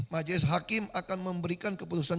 majelis hakim akan memberikan keputusan